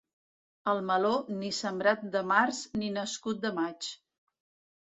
El meló, ni sembrat de març ni nascut de maig.